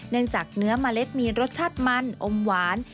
เนื้อจากเนื้อเมล็ดมีรสชาติมันอมหวาน